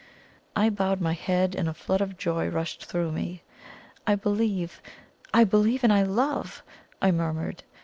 I bowed my head, and a flood of joy rushed through me. "I believe I believe and I love!" I murmured.